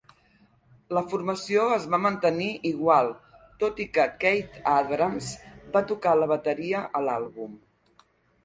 La formació es va mantenir igual, tot i que Keith Abrams va tocar la bateria a l'àlbum.